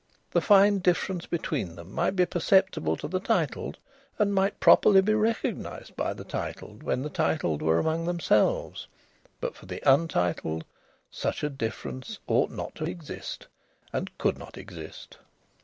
The fine difference between them might be perceptible to the titled, and might properly be recognised by the titled when the titled were among themselves, but for the untitled such a difference ought not to exist and could not exist.